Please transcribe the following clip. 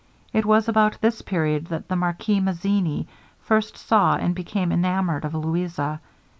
It was about this period that the marquis Mazzini first saw and became enamoured of Louisa.